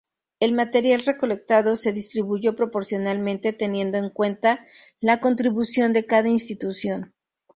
El material recolectado se distribuyó proporcionalmente teniendo en cuenta la contribución de cada institución.